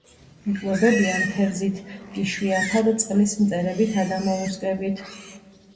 იკვებებიან თევზით, იშვიათად წყლის მწერებითა და მოლუსკებით.